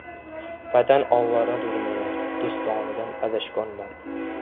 Vatan ovoradurmen, do‘stonidan adashgonman...